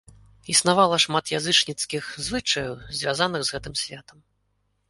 Існавала шмат язычніцкіх звычаяў, звязаных з гэтым святам.